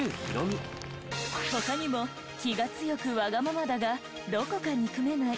他にも気が強くわがままだがどこか憎めない